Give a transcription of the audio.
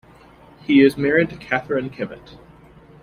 He is married to Catherine Kimmitt.